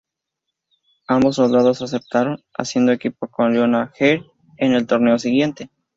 Ambos soldados aceptaron, haciendo equipo con "Leona Heidern" en el torneo siguiente.